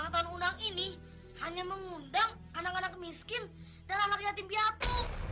ulang tahun unang ini hanya mengundang anak anak miskin dan anak yatim biatu